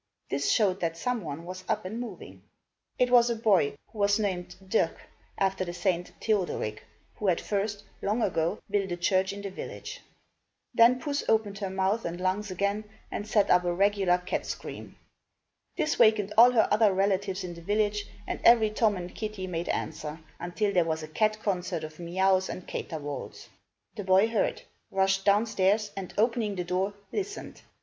This showed that some one was up and moving. It was a boy, who was named Dirck, after the saint Theodoric, who had first, long ago, built a church in the village. Then Puss opened her mouth and lungs again and set up a regular cat scream. This wakened all her other relatives in the village and every Tom and Kitty made answer, until there was a cat concert of meouws and caterwauls. The boy heard, rushed down stairs, and, opening the door, listened.